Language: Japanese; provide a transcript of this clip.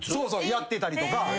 やってたりとか。